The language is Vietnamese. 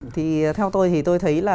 thì theo tôi thì tôi thấy là